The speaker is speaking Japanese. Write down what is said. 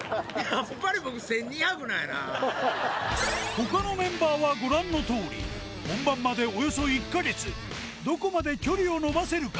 他のメンバーはご覧のとおり本番までおよそ１カ月どこまで距離を伸ばせるか？